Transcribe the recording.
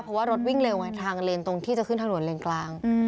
เพราะว่ารถวิ่งเร็วไงทางเลนตรงที่จะขึ้นถนนเลนกลาง